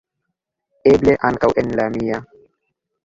Eble, ankaŭ en la mia.